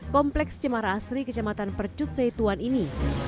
kompleks cemara asri kecamatan percut seituan ini